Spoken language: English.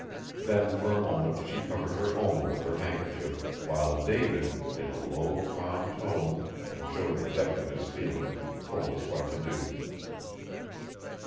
Then for a moment she covered her own with her handkerchief, while David, in a low, calm tone, that showed the depth of his feeling, told us what to do.